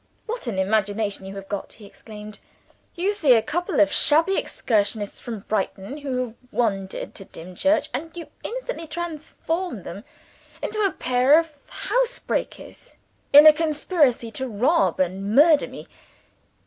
"What an imagination you have got!" he exclaimed. "You see a couple of shabby excursionists from Brighton, who have wandered to Dimchurch and you instantly transform them into a pair of housebreakers in a conspiracy to rob and murder me!